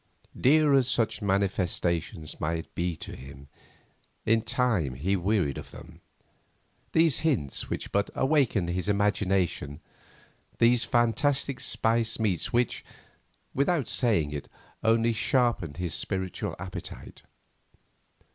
Dear as such manifestations might be to him, in time he wearied of them; these hints which but awakened his imagination, these fantastic spiced meats which, without staying it, only sharpened his spiritual appetite.